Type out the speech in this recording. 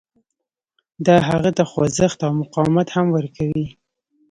دا هغه ته خوځښت او مقاومت هم ورکوي